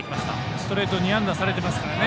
ストレート２安打されてますからね。